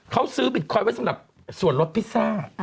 เขาซื้อบิตคอยน์ไว้สำหรับส่วนลดพิซซ่า